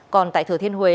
còn tại thừa thiên huế